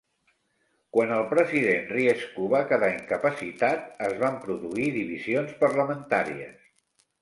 Quan el president Riesco va quedar incapacitat, es van produir divisions parlamentàries.